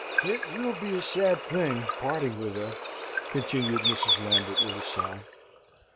"It will be a sad thing, parting with her," continued Mrs. Lambert, with a sigh.